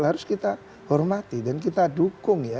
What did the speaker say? harus kita hormati dan kita dukung ya